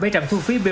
bảy trạm thu phí bot